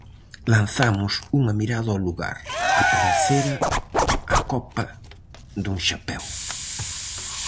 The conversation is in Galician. Lanzamos unha mirada ao lugar: aparecera a copa dun chapeu.